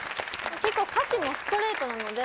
結構歌詞もストレートなので。